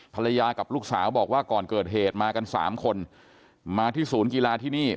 ภรรยากับลูกสาวบอกว่าก่อนเกิดเหตุมากันสามคนมาที่ศูนย์กีฬาที่นี่